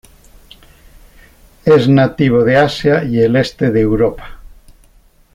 Es nativo de Asia y el este de Europa.